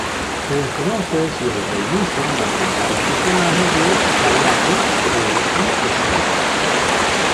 Se desconoce si el reinicio mantendrá los personajes de Kayako, Takeo y Toshio.